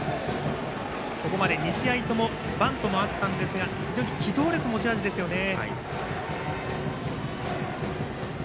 ここまで２試合ともバントもあったんですが非常に機動力、持ち味ですよね。